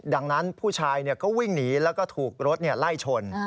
ดังนั้นผู้ชายก็วิ่งหนีแล้วก็ถูกรถไล่ชน